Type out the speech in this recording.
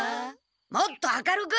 もっと明るく！